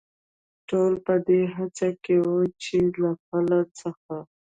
ټول په دې هڅه کې و، چې له پله څخه.